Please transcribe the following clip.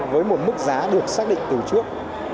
với một mức giá được xác định từ trước